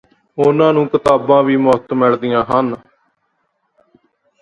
ਉਨਾ੍ਹਂ ਨੂੰ ਕਿਤਾਬਾਂ ਵੀ ਮੁਫਤ ਮਿਲਦੀਆਂ ਹਨ